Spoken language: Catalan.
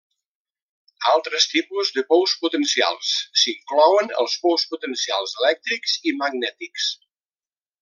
Altres tipus de pous potencials s'inclouen els pous potencials elèctrics i magnètics.